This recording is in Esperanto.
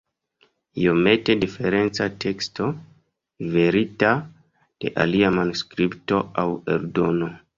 Iomete diferenca teksto, liverita de alia manuskripto aŭ eldono.